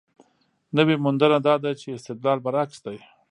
نوې موندنه دا ده چې استدلال برعکس دی.